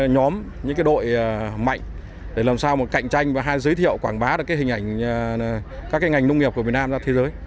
nhóm những đội mạnh để làm sao mà cạnh tranh và giới thiệu quảng bá được các hình ảnh nông nghiệp của việt nam ra thế giới